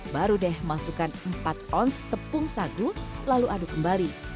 baru deh masukkan empat ons tepung sagu lalu aduk kembali